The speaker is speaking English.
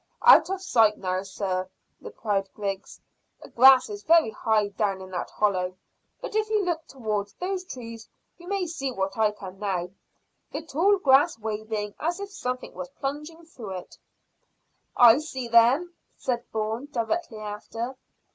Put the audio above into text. "Out of sight now, sir," replied Griggs. "The grass is very high down in that hollow, but if you look towards those trees you may see what I can now, the tall grass waving as if something was plunging through it." "I see them," said Bourne directly after.